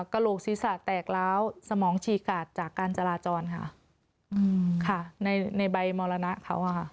กระโลกศีรษะแตกแล้วสมองฉี่กาดจากการจราจรในใบมฯลนักเท่า